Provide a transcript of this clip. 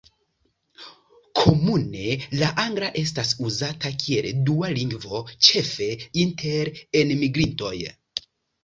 Komune, la angla estas uzata kiel dua lingvo, ĉefe inter enmigrintoj.